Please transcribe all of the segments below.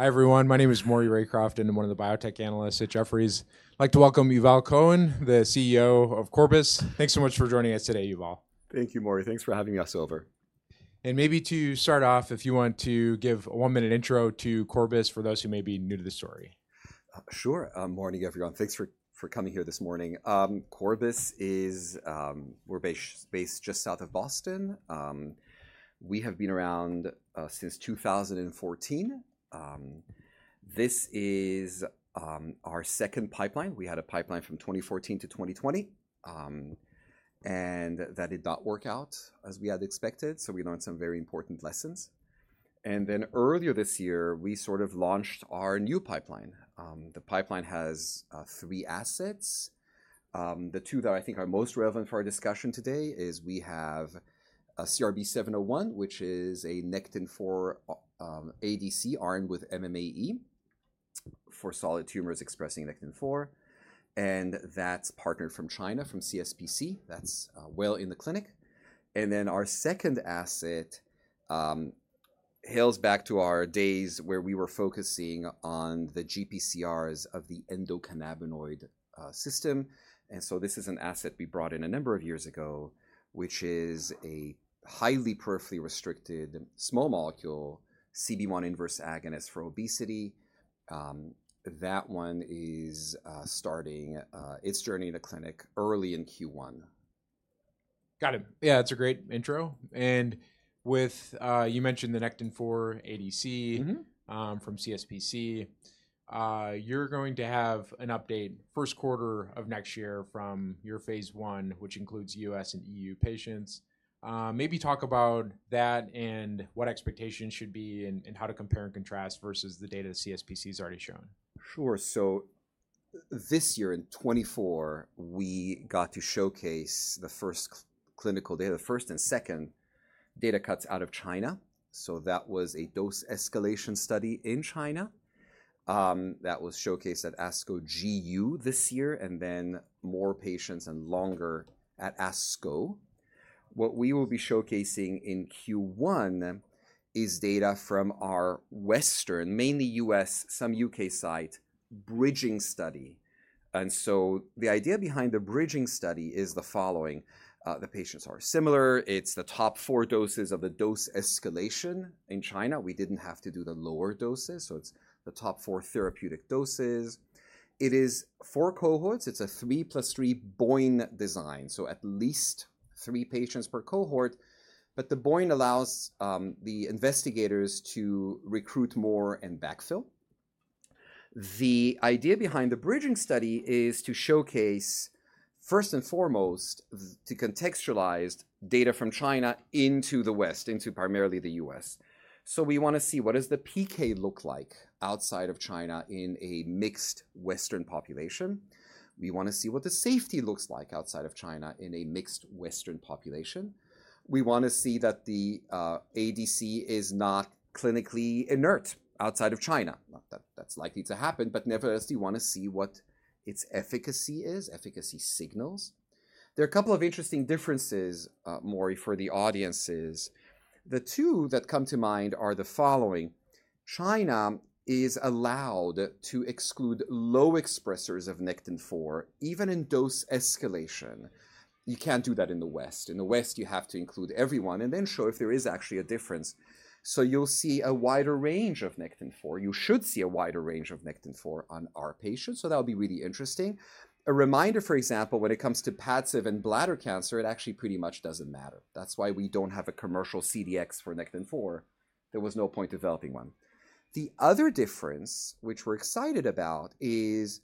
Hi everyone. My name is Maury Raycroft, and one of the biotech analysts at Jefferies. I'd like to welcome Yuval Cohen, the CEO of Corbus. Thanks so much for joining us today, Yuval. Thank you, Maury. Thanks for having us over. Maybe to start off, if you want to give a one-minute intro to Corbus for those who may be new to the story. Sure. Morning, everyone. Thanks for coming here this morning. Corbus is, we're based just south of Boston. We have been around since 2014. This is our second pipeline. We had a pipeline from 2014 to 2020, and that did not work out as we had expected. So we learned some very important lessons. And then earlier this year, we sort of launched our new pipeline. The pipeline has three assets. The two that I think are most relevant for our discussion today is we have a CRB-701, which is a Nectin-4 ADC armed with MMAE for solid tumors expressing Nectin-4. And that's partnered from China from CSPC. That's well in the clinic. And then our second asset hails back to our days where we were focusing on the GPCRs of the endocannabinoid system. And so this is an asset we brought in a number of years ago, which is a highly peripherally restricted small molecule CB1 inverse agonist for obesity. That one is starting its journey in the clinic early in Q1. Got it. Yeah, that's a great intro. And with, you mentioned the Nectin-4 ADC from CSPC, you're going to have an update first quarter of next year from your phase one, which includes U.S. and E.U. patients. Maybe talk about that and what expectations should be and how to compare and contrast versus the data CSPC has already shown. Sure. So this year in 2024, we got to showcase the first clinical data, the first and second data cuts out of China. So that was a dose escalation study in China that was showcased at ASCO GU this year, and then more patients and longer at ASCO. What we will be showcasing in Q1 is data from our Western, mainly U.S., some U.K. site bridging study. And so the idea behind the bridging study is the following. The patients are similar. It's the top four doses of the dose escalation in China. We didn't have to do the lower doses. So it's the top four therapeutic doses. It is four cohorts. It's a three plus three BOIN design. So at least three patients per cohort. But the BOIN allows the investigators to recruit more and backfill. The idea behind the bridging study is to showcase first and foremost, to contextualize data from China into the West, into primarily the U.S. So we want to see what does the PK look like outside of China in a mixed Western population. We want to see what the safety looks like outside of China in a mixed Western population. We want to see that the ADC is not clinically inert outside of China. That's likely to happen, but nevertheless, we want to see what its efficacy is, efficacy signals. There are a couple of interesting differences, Maury, for the audiences. The two that come to mind are the following. China is allowed to exclude low expressors of Nectin-4 even in dose escalation. You can't do that in the West. In the West, you have to include everyone and then show if there is actually a difference. So you'll see a wider range of Nectin-4. You should see a wider range of Nectin-4 on our patients. So that'll be really interesting. A reminder, for example, when it comes to Padcev and bladder cancer, it actually pretty much doesn't matter. That's why we don't have a commercial CDx for Nectin-4. There was no point developing one. The other difference, which we're excited about, is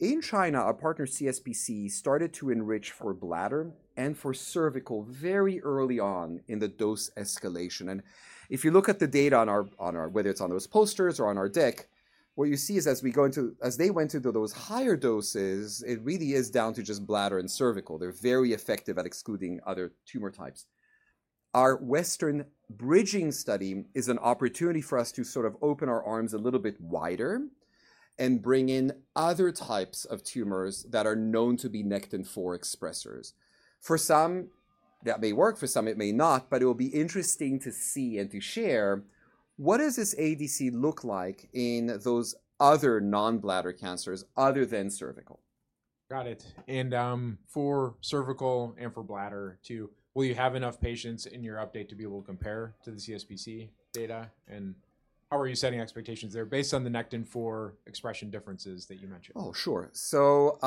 in China, our partner CSPC started to enrich for bladder and for cervical very early on in the dose escalation. And if you look at the data on our, whether it's on those posters or on our deck, what you see is as we go into, as they went to those higher doses, it really is down to just bladder and cervical. They're very effective at excluding other tumor types. Our Western bridging study is an opportunity for us to sort of open our arms a little bit wider and bring in other types of tumors that are known to be Nectin-4 expressors. For some, that may work. For some, it may not, but it will be interesting to see and to share what does this ADC look like in those other non-bladder cancers other than cervical. Got it. And for cervical and for bladder too, will you have enough patients in your update to be able to compare to the CSPC data? And how are you setting expectations there based on the Nectin-4 expression differences that you mentioned? Oh, sure. So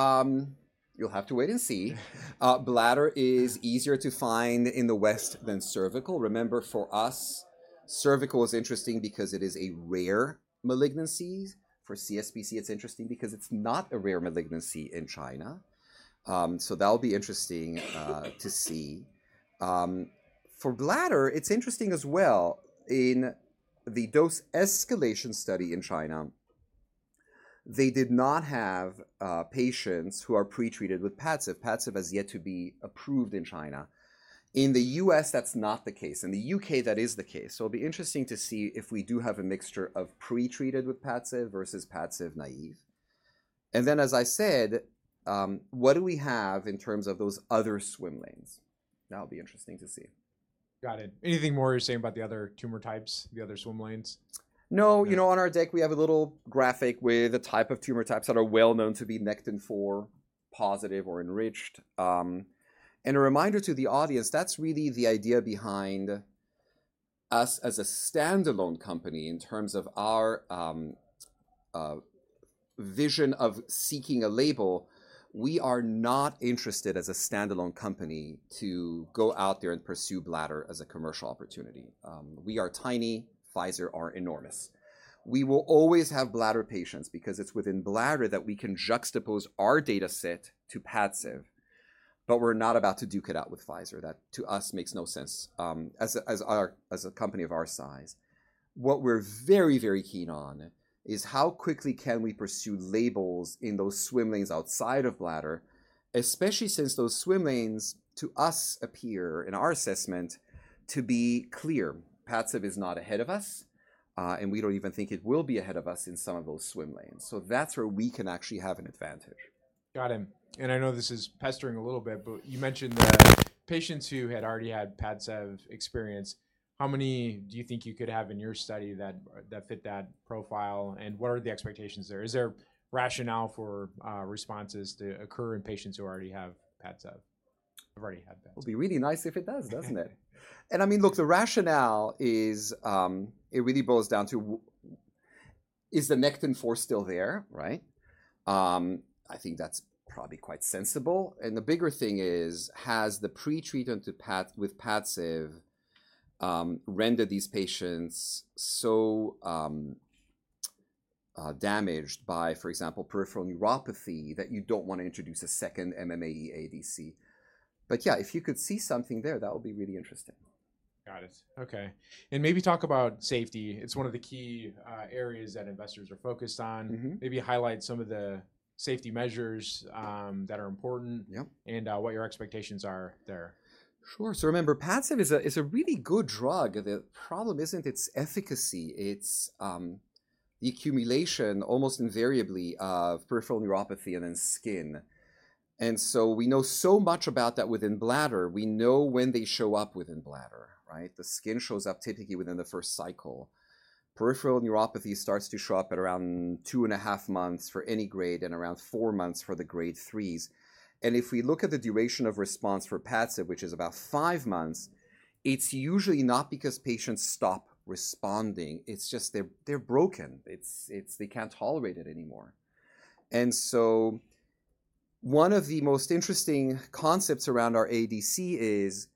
you'll have to wait and see. Bladder is easier to find in the West than cervical. Remember, for us, cervical is interesting because it is a rare malignancy. For CSPC, it's interesting because it's not a rare malignancy in China. So that'll be interesting to see. For bladder, it's interesting as well. In the dose escalation study in China, they did not have patients who are pretreated with Padcev. Padcev has yet to be approved in China. In the U.S., that's not the case. In the U.K., that is the case. So it'll be interesting to see if we do have a mixture of pretreated with Padcev versus Padcev naive. And then, as I said, what do we have in terms of those other swim lanes? That'll be interesting to see. Got it. Anything more you're saying about the other tumor types, the other swim lanes? No, you know, on our deck, we have a little graphic with a type of tumor types that are well known to be Nectin-4 positive or enriched, and a reminder to the audience, that's really the idea behind us as a standalone company in terms of our vision of seeking a label. We are not interested as a standalone company to go out there and pursue bladder as a commercial opportunity. We are tiny. Pfizer are enormous. We will always have bladder patients because it's within bladder that we can juxtapose our data set to Padcev, but we're not about to duke it out with Pfizer. That to us makes no sense as a company of our size. What we're very, very keen on is how quickly can we pursue labels in those swim lanes outside of bladder, especially since those swim lanes to us appear in our assessment to be clear. Padcev is not ahead of us, and we don't even think it will be ahead of us in some of those swim lanes. So that's where we can actually have an advantage. Got it, and I know this is pestering a little bit, but you mentioned that patients who had already had Padcev experience, how many do you think you could have in your study that fit that profile? And what are the expectations there? Is there rationale for responses to occur in patients who already have Padcev, have already had Padcev? It'll be really nice if it does, doesn't it? And I mean, look, the rationale is it really boils down to, is the Nectin-4 still there, right? I think that's probably quite sensible. And the bigger thing is, has the pretreatment with Padcev rendered these patients so damaged by, for example, peripheral neuropathy that you don't want to introduce a second MMAE ADC? But yeah, if you could see something there, that would be really interesting. Got it. Okay, and maybe talk about safety. It's one of the key areas that investors are focused on. Maybe highlight some of the safety measures that are important and what your expectations are there. Sure. So remember, Padcev is a really good drug. The problem isn't its efficacy. It's the accumulation almost invariably of peripheral neuropathy and then skin. And so we know so much about that within bladder. We know when they show up within bladder, right? The skin shows up typically within the first cycle. Peripheral neuropathy starts to show up at around two and a half months for any grade and around four months for the grade threes. And if we look at the duration of response for Padcev, which is about five months, it's usually not because patients stop responding. It's just they're broken. They can't tolerate it anymore. And so one of the most interesting concepts around our ADC is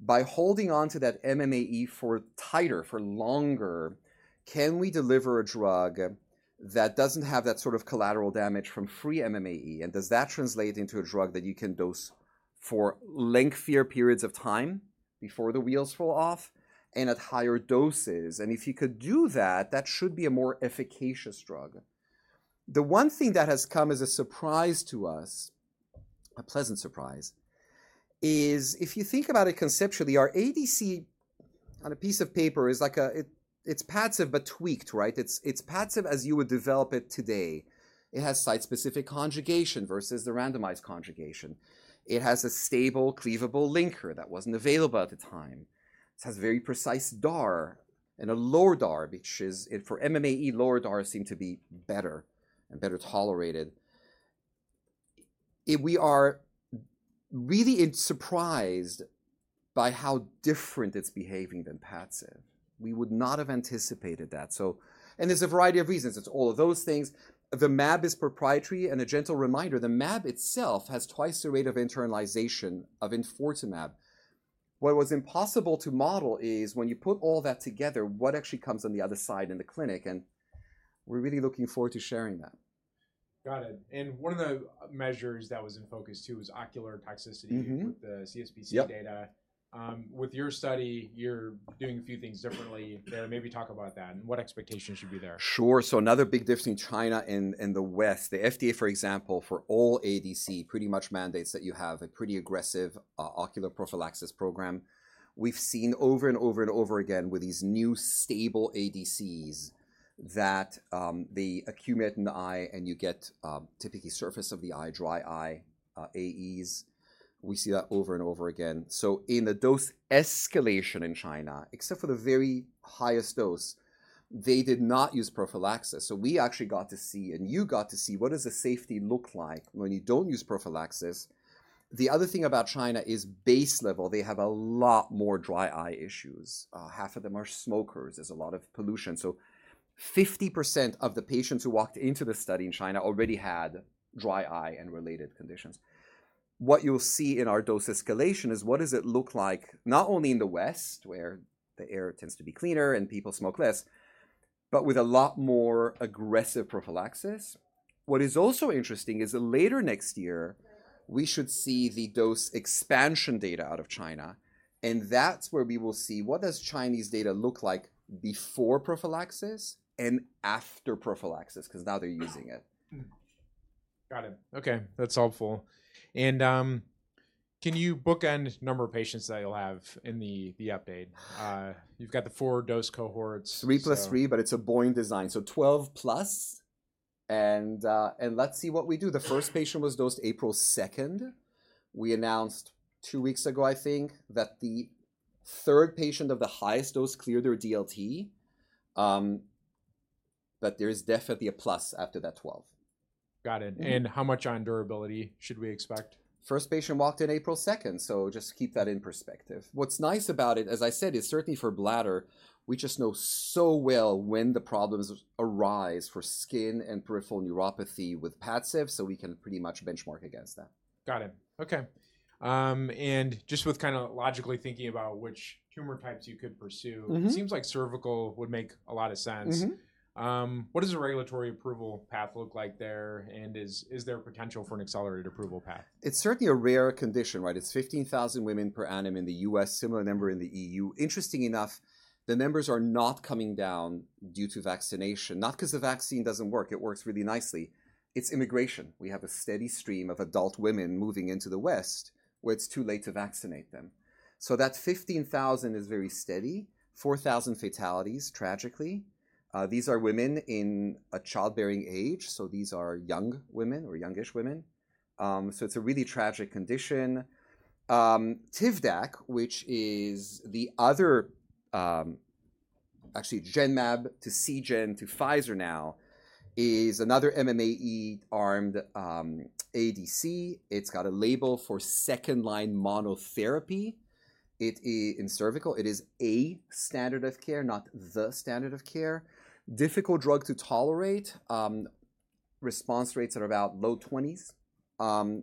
by holding onto that MMAE for tighter, for longer, can we deliver a drug that doesn't have that sort of collateral damage from free MMAE? Does that translate into a drug that you can dose for lengthier periods of time before the wheels fall off and at higher doses? If you could do that, that should be a more efficacious drug. The one thing that has come as a surprise to us, a pleasant surprise, is if you think about it conceptually, our ADC on a piece of paper is like a, it's Padcev but tweaked, right? It's Padcev as you would develop it today. It has site-specific conjugation versus the randomized conjugation. It has a stable, cleavable linker that wasn't available at the time. It has very precise DAR and a lower DAR, which is for MMAE, lower DAR seemed to be better and better tolerated. We are really surprised by how different it's behaving than Padcev. We would not have anticipated that. So, and there's a variety of reasons. It's all of those things. The MAB is proprietary. A gentle reminder, the MAB itself has twice the rate of internalization of enfortumab. What was impossible to model is when you put all that together, what actually comes out the other side in the clinic. We're really looking forward to sharing that. Got it. And one of the measures that was in focus too was ocular toxicity with the CSPC data. With your study, you're doing a few things differently there. Maybe talk about that and what expectations should be there. Sure. So another big difference in China and the West, the FDA, for example, for all ADC, pretty much mandates that you have a pretty aggressive ocular prophylaxis program. We've seen over and over and over again with these new stable ADCs that they accumulate in the eye and you get typically surface of the eye, dry eye AEs. We see that over and over again. So in the dose escalation in China, except for the very highest dose, they did not use prophylaxis. So we actually got to see, and you got to see what does the safety look like when you don't use prophylaxis. The other thing about China is base level. They have a lot more dry eye issues. Half of them are smokers. There's a lot of pollution. So 50% of the patients who walked into the study in China already had dry eye and related conditions. What you'll see in our dose escalation is what does it look like, not only in the West where the air tends to be cleaner and people smoke less, but with a lot more aggressive prophylaxis. What is also interesting is later next year, we should see the dose expansion data out of China. And that's where we will see what does Chinese data look like before prophylaxis and after prophylaxis, because now they're using it. Got it. Okay. That's helpful. And can you bookend the number of patients that you'll have in the update? You've got the four dose cohorts. Three plus three, but it's a BOIN design. So 12 plus. Let's see what we do. The first patient was dosed April 2nd. We announced two weeks ago, I think, that the third patient of the highest dose cleared their DLT. There is definitely a plus after that 12. Got it. And how much on durability should we expect? First patient walked in April 2nd. So just keep that in perspective. What's nice about it, as I said, is certainly for bladder, we just know so well when the problems arise for skin and peripheral neuropathy with Padcev, so we can pretty much benchmark against that. Got it. Okay. And just with kind of logically thinking about which tumor types you could pursue, it seems like cervical would make a lot of sense. What does a regulatory approval path look like there? And is there potential for an accelerated approval path? It's certainly a rare condition, right? It's 15,000 women per annum in the U.S., similar number in the E.U. Interestingly enough, the numbers are not coming down due to vaccination. Not because the vaccine doesn't work. It works really nicely. It's immigration. We have a steady stream of adult women moving into the West where it's too late to vaccinate them. So that 15,000 is very steady. 4,000 fatalities, tragically. These are women in a childbearing age. So these are young women or youngish women. So it's a really tragic condition. Tivdac, which is the other, actually Genmab to Seagen to Pfizer now, is another MMAE-armed ADC. It's got a label for second-line monotherapy. It is in cervical. It is a standard of care, not the standard of care. Difficult drug to tolerate. Response rates are about low 20s%.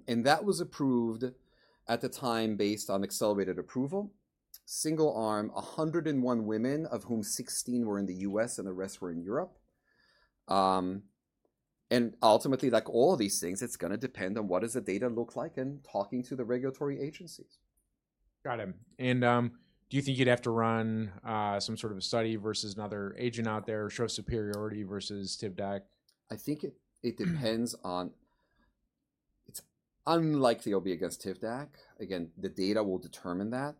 And that was approved at the time based on accelerated approval. Single arm, 101 women, of whom 16 were in the U.S. and the rest were in Europe, and ultimately, like all of these things, it's going to depend on what does the data look like and talking to the regulatory agencies. Got it. And do you think you'd have to run some sort of a study versus another agent out there or show superiority versus Tivdac? I think it depends on. It's unlikely it'll be against Tivdac. Again, the data will determine that,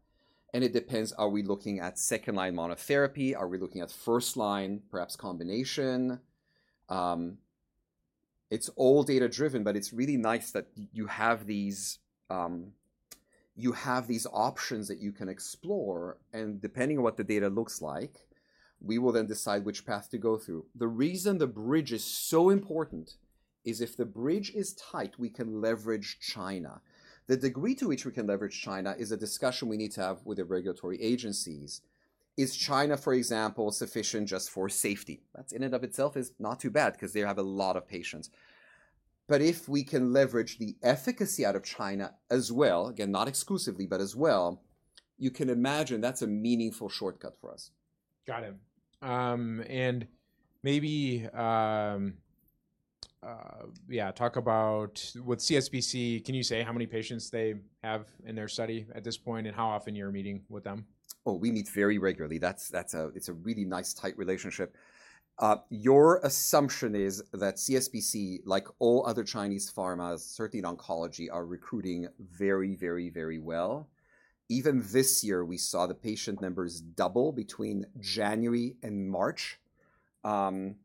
and it depends. Are we looking at second-line monotherapy? Are we looking at first-line, perhaps combination? It's all data-driven, but it's really nice that you have these options that you can explore, and depending on what the data looks like, we will then decide which path to go through. The reason the bridge is so important is if the bridge is tight, we can leverage China. The degree to which we can leverage China is a discussion we need to have with the regulatory agencies. Is China, for example, sufficient just for safety? That in and of itself is not too bad because they have a lot of patients. But if we can leverage the efficacy out of China as well, again, not exclusively, but as well, you can imagine that's a meaningful shortcut for us. Got it. And maybe, yeah, talk about with CSPC, can you say how many patients they have in their study at this point and how often you're meeting with them? Oh, we meet very regularly. It's a really nice tight relationship. Your assumption is that CSPC, like all other Chinese pharmas, certainly in oncology, are recruiting very, very, very well. Even this year, we saw the patient numbers double between January and March. And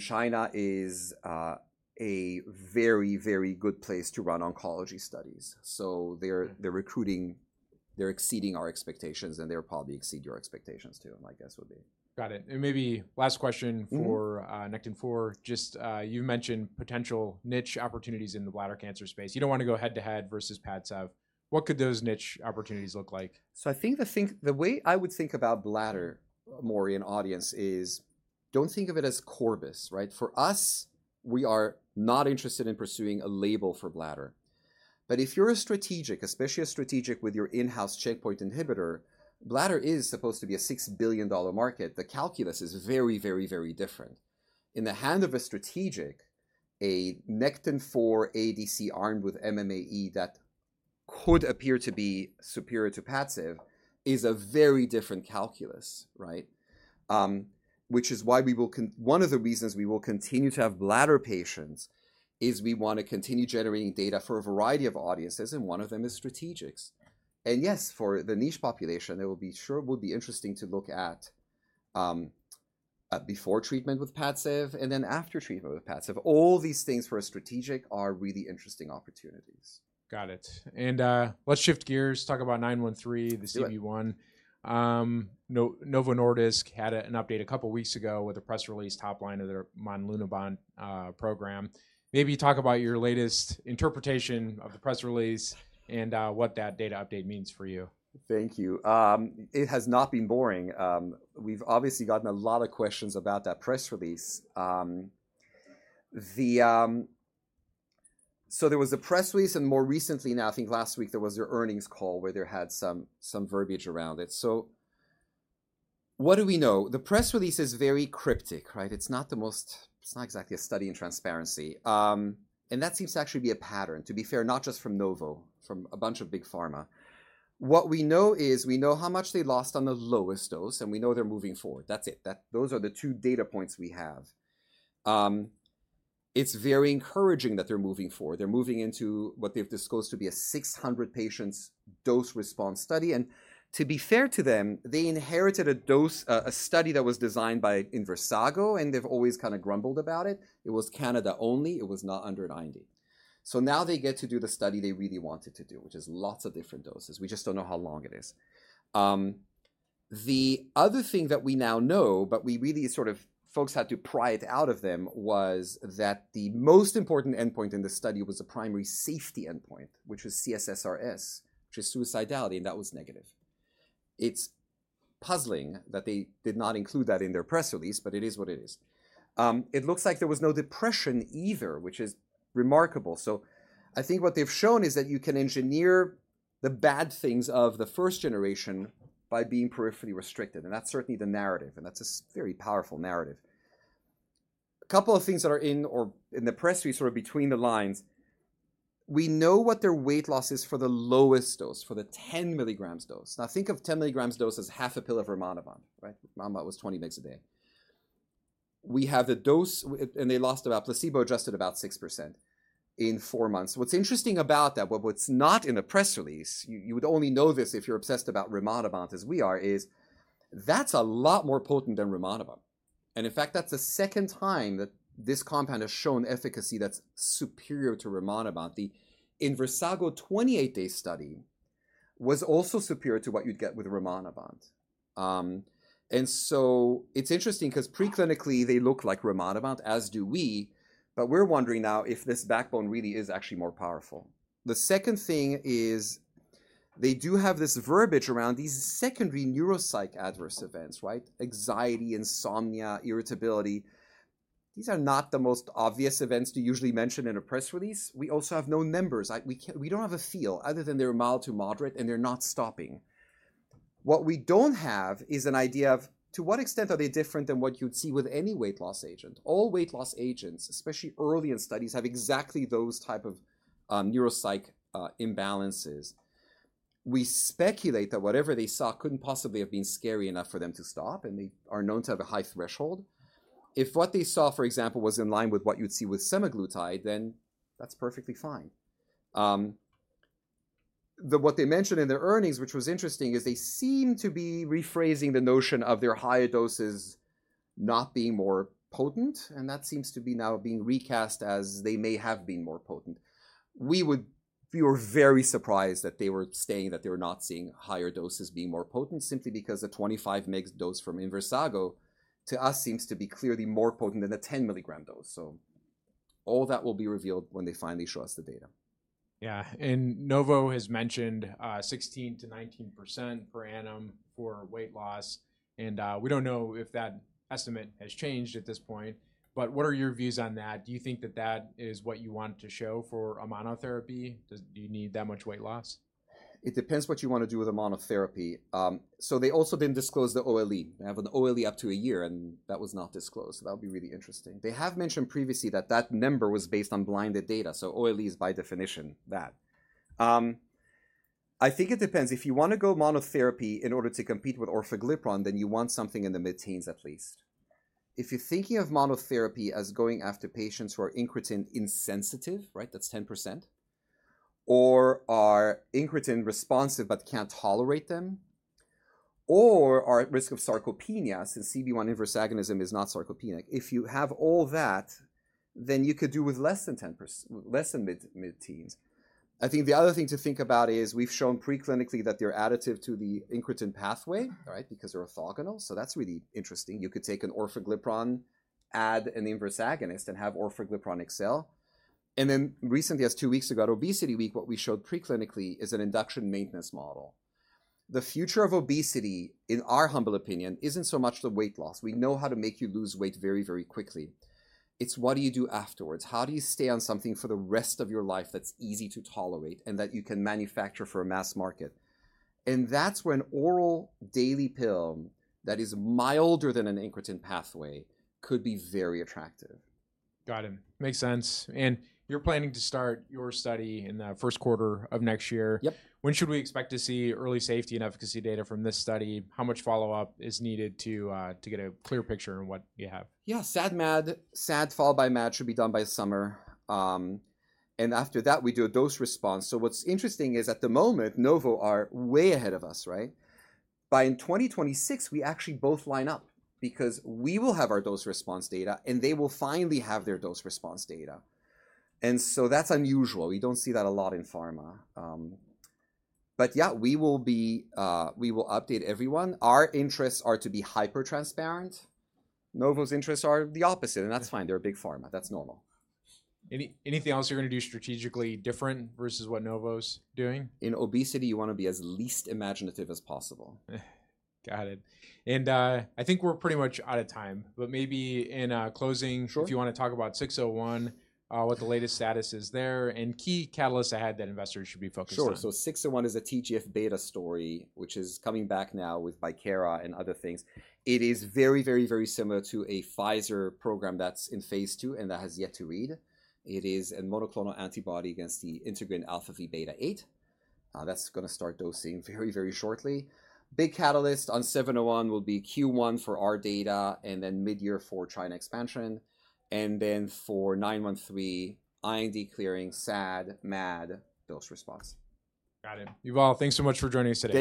China is a very, very good place to run oncology studies. So they're recruiting, they're exceeding our expectations, and they'll probably exceed your expectations too, my guess would be. Got it. And maybe last question for Nectin-4, just you mentioned potential niche opportunities in the bladder cancer space. You don't want to go head-to-head versus Padcev. What could those niche opportunities look like? So I think the way I would think about bladder, more in the audience, is don't think of it as Corbus, right? For us, we are not interested in pursuing a label for bladder. But if you're a strategic, especially a strategic with your in-house checkpoint inhibitor, bladder is supposed to be a $6 billion market. The calculus is very, very, very different. In the hands of a strategic, a Nectin-4 ADC armed with MMAE that could appear to be superior to Padcev is a very different calculus, right? Which is why we will, one of the reasons we will continue to have bladder patients is we want to continue generating data for a variety of audiences, and one of them is strategics. And yes, for the niche population, it sure would be interesting to look at before treatment with Padcev and then after treatment with Padcev. All these things for a strategic are really interesting opportunities. Got it. And let's shift gears, talk about 913, the CB1. Novo Nordisk had an update a couple of weeks ago with a press release top line of their Monlunabant program. Maybe talk about your latest interpretation of the press release and what that data update means for you. Thank you. It has not been boring. We've obviously gotten a lot of questions about that press release. So there was a press release and more recently now, I think last week there was their earnings call where they had some verbiage around it. So what do we know? The press release is very cryptic, right? It's not the most, it's not exactly a study in transparency. And that seems to actually be a pattern, to be fair, not just from Novo, from a bunch of big pharma. What we know is we know how much they lost on the lowest dose and we know they're moving forward. That's it. Those are the two data points we have. It's very encouraging that they're moving forward. They're moving into what they've disclosed to be a 600 patients dose response study. And to be fair to them, they inherited a study that was designed by Inversago, and they've always kind of grumbled about it. It was Canada only. It was not under IND. So now they get to do the study they really wanted to do, which is lots of different doses. We just don't know how long it is. The other thing that we now know, but we really sort of folks had to pry it out of them was that the most important endpoint in the study was the primary safety endpoint, which was C-SSRS, which is suicidality, and that was negative. It's puzzling that they did not include that in their press release, but it is what it is. It looks like there was no depression either, which is remarkable. So I think what they've shown is that you can engineer the bad things of the first generation by being peripherally restricted. And that's certainly the narrative. And that's a very powerful narrative. A couple of things that are in the press release or between the lines, we know what their weight loss is for the lowest dose, for the 10 mg dose. Now think of 10 mg dose as half a pill of Rimonabant, right? Rimonabant was 20 milligrams a day. We have the data and they lost about placebo adjusted 6% in four months. What's interesting about that, what's not in a press release, you would only know this if you're obsessed about Rimonabant as we are, is that's a lot more potent than Rimonabant. In fact, that's the second time that this compound has shown efficacy that's superior to Rimonabant. The Inversago 28-day study was also superior to what you'd get with Rimonabant. It's interesting because preclinically they look like Rimonabant, as do we, but we're wondering now if this backbone really is actually more powerful. The second thing is they do have this verbiage around these secondary neuropsychiatric adverse events, right? Anxiety, insomnia, irritability. These are not the most obvious events to usually mention in a press release. We also have no numbers. We don't have a feel other than they're mild to moderate and they're not stopping. What we don't have is an idea of to what extent are they different than what you'd see with any weight loss agent. All weight loss agents, especially early in studies, have exactly those type of neuropsychiatric imbalances. We speculate that whatever they saw couldn't possibly have been scary enough for them to stop, and they are known to have a high threshold. If what they saw, for example, was in line with what you'd see with semaglutide, then that's perfectly fine. What they mentioned in their earnings, which was interesting, is they seem to be rephrasing the notion of their higher doses not being more potent, and that seems to be now being recast as they may have been more potent. We were very surprised that they were saying that they were not seeing higher doses being more potent simply because the 25 mg dose from Inversago to us seems to be clearly more potent than the 10 milligram dose, so all that will be revealed when they finally show us the data. Yeah. And Novo has mentioned 16%-19% per annum for weight loss. And we don't know if that estimate has changed at this point, but what are your views on that? Do you think that that is what you want to show for a monotherapy? Do you need that much weight loss? It depends what you want to do with a monotherapy, so they also didn't disclose the OLE. They have an OLE up to a year and that was not disclosed. That'll be really interesting. They have mentioned previously that that number was based on blinded data, so OLE is by definition that. I think it depends. If you want to go monotherapy in order to compete with Orforglipron, then you want something in the mid-teens at least. If you're thinking of monotherapy as going after patients who are incretin insensitive, right? That's 10%. Or are incretin responsive but can't tolerate them. Or are at risk of sarcopenia since CB1 inverse agonism is not sarcopenic. If you have all that, then you could do with less than 10%, less than mid-teens. I think the other thing to think about is we've shown preclinically that they're additive to the incretin pathway, right? Because they're orthogonal, so that's really interesting. You could take an Orforglipron, add an inverse agonist, and have Orforglipron excel, and then recently, as two weeks ago, at ObesityWeek, what we showed preclinically is an induction maintenance model. The future of obesity, in our humble opinion, isn't so much the weight loss. We know how to make you lose weight very, very quickly. It's what do you do afterwards? How do you stay on something for the rest of your life that's easy to tolerate and that you can manufacture for a mass market, and that's when oral daily pill that is milder than an incretin pathway could be very attractive. Got it. Makes sense, and you're planning to start your study in the first quarter of next year. Yep. When should we expect to see early safety and efficacy data from this study? How much follow-up is needed to get a clear picture on what you have? Yeah, SAD-MAD, SAD followed by MAD should be done by summer. And after that, we do a dose response. So what's interesting is at the moment, Novo are way ahead of us, right? By 2026, we actually both line up because we will have our dose response data and they will finally have their dose response data. And so that's unusual. We don't see that a lot in pharma. But yeah, we will update everyone. Our interests are to be hyper transparent. Novo's interests are the opposite. And that's fine. They're a big pharma. That's normal. Anything else you're going to do strategically different versus what Novo's doing? In obesity, you want to be as least imaginative as possible. Got it. And I think we're pretty much out of time, but maybe in closing, if you want to talk about 601, what the latest status is there and key catalysts ahead that investors should be focused on. Sure. So 601 is a TGF-beta story, which is coming back now with Bicara and other things. It is very, very, very similar to a Pfizer program that's in phase two and that has yet to read. It is a monoclonal antibody against the integrin alpha V beta 8. That's going to start dosing very, very shortly. Big catalyst on 701 will be Q1 for our data and then mid-year for China expansion. And then for 913, IND clearing, SAD, MAD, dose response. Got it. Yuval, thanks so much for joining us today.